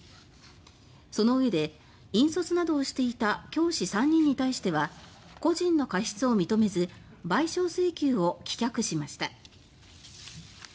そのうえで、引率などをしていた教師３人に対しては個人の過失を認めず賠償請求を棄却しました。